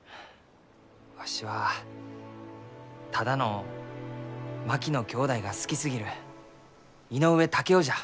わしはただの槙野きょうだいが好きすぎる井上竹雄じゃ。